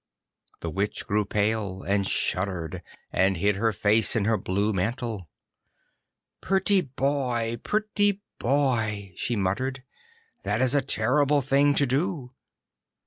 The Witch grew pale, and shuddered, and hid her face in her blue mantle. 'Pretty boy, pretty boy,' she muttered, 'that is a terrible thing to do.